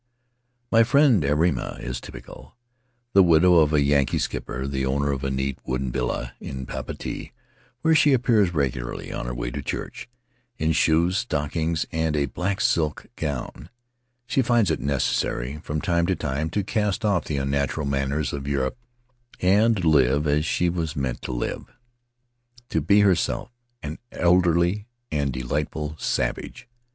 My friend Airima is typical. The widow of a Yankee skipper, the owner of a neat wooden villa in Papeete, where she appears regularly, on her way to church, in shoes, stockings, and a black silk gown, she finds it necessary, from time to time, to cast off" the unnatural manners of Europe and live as she was meant to live; to be herself, an elderly and delightful savage.